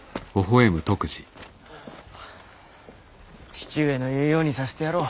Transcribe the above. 父上の言うようにさせてやろう。